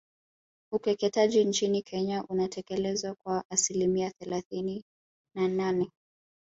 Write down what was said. Ukeketaji nchini Kenya unatekelezwa kwa asilimia thelathini na nane